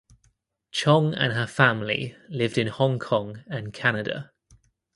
Chong and her family lived in Hong Kong and Canada.